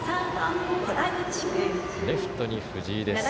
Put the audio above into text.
レフトに藤井です。